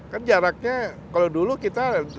kan jaraknya kalau dulu kita